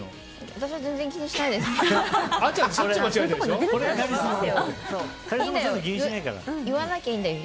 私は全然気にしないです。